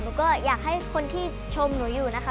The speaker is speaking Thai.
หนูก็อยากให้คนที่ชมหนูอยู่นะคะ